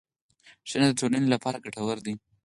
ښه نیت د ټولنې لپاره ګټور دی.